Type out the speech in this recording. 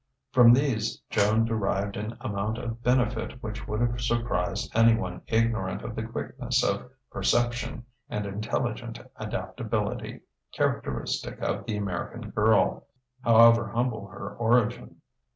From these Joan derived an amount of benefit which would have surprised anyone ignorant of the quickness of perception and intelligent adaptability characteristic of the American girl, however humble her origin.